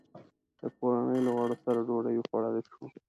د کورنۍ له غړو سره ډوډۍ وخوړلای شو.